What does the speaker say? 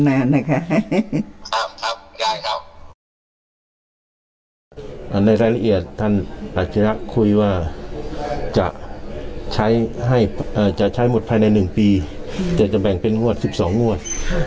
ในรายละเอียดท่านอัจฉริยะคุยว่าจะใช้หมดภายใน๑ปีแต่จะแบ่งเป็นงวด๑๒งวด